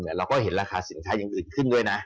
เราก็เห็นราคาสินค้าอย่างอื่นขึ้นด้วยนะ